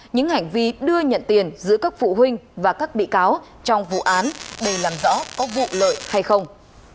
những hành vi đưa nhận tiền giữa các phụ huynh và các bị cáo trong vụ án để làm rõ có vụ lợi hay không